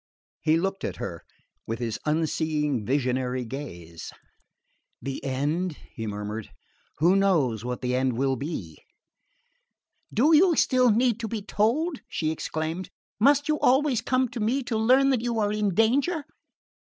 He looked at her with his unseeing visionary gaze. "The end?" he murmured. "Who knows what the end will be?" "Do you still need to be told?" she exclaimed. "Must you always come to me to learn that you are in danger?"